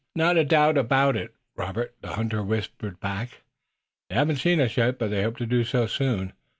"Not a doubt of it, Robert," the hunter whispered back. "They haven't seen us yet, but they hope to do so soon."